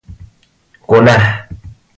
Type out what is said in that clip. گنه